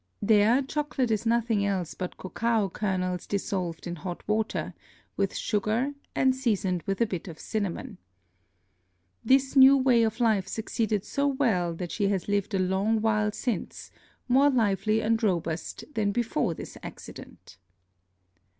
(There, Chocolate is nothing else but Cocao Kernels dissolved in hot Water, with Sugar, and season'd with a Bit of Cinnamon.) This new way of Life succeeded so well, that she has lived a long while since, more lively and robust than before this Accident.